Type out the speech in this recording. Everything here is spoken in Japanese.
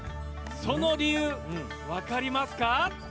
その理由、分かりますか？